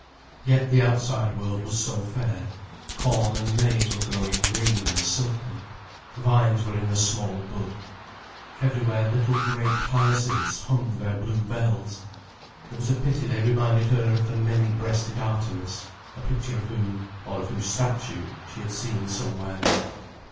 Yet the outside world was so fair. Corn and maize were growing green and silken, vines were in the small bud. Everywhere little grape hyacinths hung their blue bells. It was a pity they reminded her of the many breasted Artemis, a picture of whom, or of whose statue, she had seen somewhere.